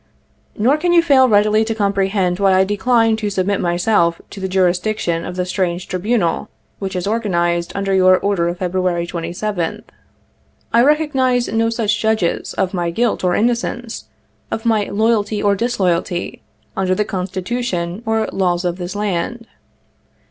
"Nor can you fail readily to comprehend why I decline to submit myself to the jurisdiction of the strange tribunal which is organized under your order of February 27th. I recognize no such judges of my guilt or innocence, of my loyalty or disloyalty, under the Constitu tion or laws of this land.